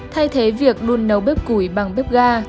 thay thế việc đun nấu bếp củi bằng bếp ga